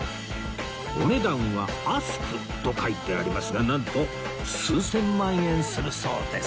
お値段は「ＡＳＫ」と書いてありますがなんと数千万円するそうです